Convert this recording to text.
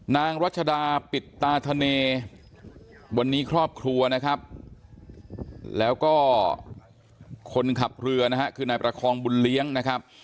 นางรัชดาปิดตาธเนวันนี้ครอบครัวนะครับแล้วก็คนขับเรือนะฮะคือนายประคองบุญเลี้ยงนะครับ